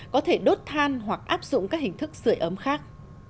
có thể đốt than hoặc áp dụng các hình thức sửa ấm khác